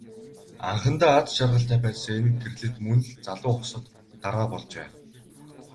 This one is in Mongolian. Анхандаа аз жаргалтай байсан энэ гэрлэлт мөн л залуу хосод дараа болжээ.